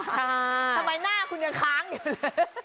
ทำไมหน้าคุณยังค้างอยู่เลย